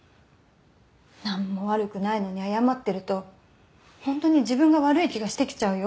何も悪くないのに謝ってるとホントに自分が悪い気がしてきちゃうよ。